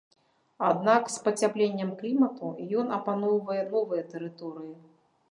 Аднак з пацяпленнем клімату ён апаноўвае новыя тэрыторыі.